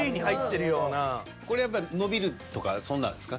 これやっぱり伸びるとかそんなんですか？